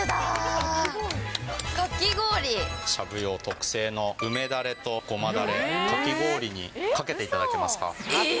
しゃぶ葉特製の梅だれとごまだれ、かき氷にかけていただけますか？